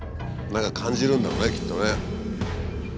何か感じるんだろうねきっとね。